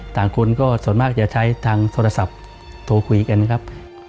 คนก็ส่วนมากจะใช้ทางโทรศัพท์โทรคุยกันครับ